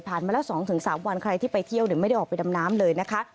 มาแล้ว๒๓วันใครที่ไปเที่ยวไม่ได้ออกไปดำน้ำเลยนะคะ